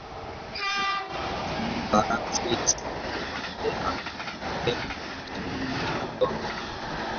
তিনি বারাণসীর সরকারি কলেজের আরবি বিভাগের প্রধান শিক্ষক নিযুক্ত হন।